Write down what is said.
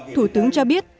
thủ tướng cho biết